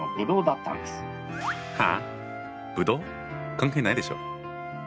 関係ないでしょ。